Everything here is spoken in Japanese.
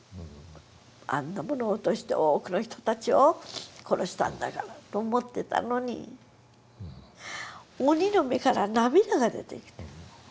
あんなものを落として多くの人たちを殺したんだから」と思ってたのに鬼の目から涙が出てきて。